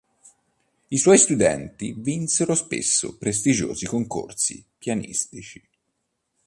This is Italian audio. I suoi studenti vinsero spesso prestigiosi concorsi pianistici.